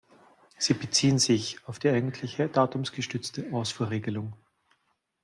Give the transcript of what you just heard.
Sie beziehen sich auf die eigentliche datumsgestützte Ausfuhrregelung.